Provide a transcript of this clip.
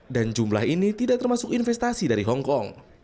dan jumlah ini tidak termasuk investasi dari hongkong